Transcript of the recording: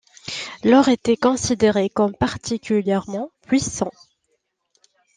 L'or était considéré comme particulièrement puissant.